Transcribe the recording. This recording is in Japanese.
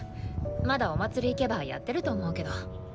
まだお祭り行けばやってると思うけど。